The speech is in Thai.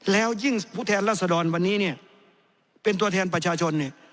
แล้วยิ่งผู้แทนรัศดรวันนี้เนี่ยเป็นตัวแทนประชาชนเนี่ย